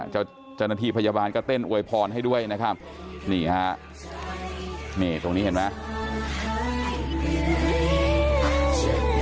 เจริญพยาบาลก็เต้นอวยพรให้ด้วยนะครับนี่ฮะตรงนี้เห็นมั้ย